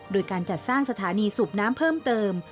โดยการจัดสร้างสถานีสูบน้ำเพิ่มเติม